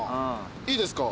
いいですか？